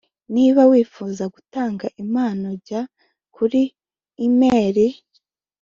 Niba wifuza gutanga impano jya kuri imeri